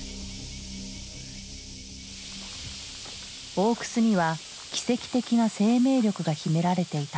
大くすには奇跡的な生命力が秘められていた。